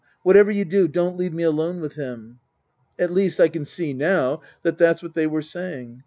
Whatever you do, don't leave me alone with him." At least, I can see now that that's what they were saying.